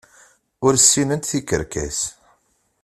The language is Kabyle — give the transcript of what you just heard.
Ur sinnent tikerkas.